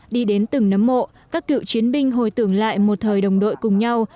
đi đến từng nấm mộ các cựu chiến binh hồi tưởng lại một thời đồng đội cùng nhau